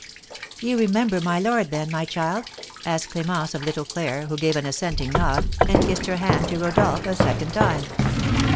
"You remember my lord, then, my child?" asked Clémence of little Claire, who gave an assenting nod, and kissed her hand to Rodolph a second time.